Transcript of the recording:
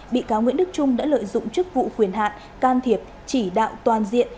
bị cáo nguyễn đức trung đã lợi dụng chức vụ quyền hạn can thiệp chỉ đạo toàn diện